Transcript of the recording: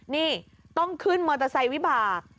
นี่ต้องขึ้นมอเตอร์ไซค์วิบาก